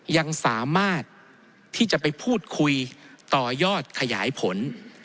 ยังสามารถที่จะไปพูดคุยต่อยอดขยายผล